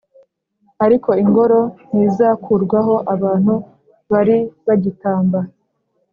Ariko ingoro ntizakurwaho abantu bari bagitamba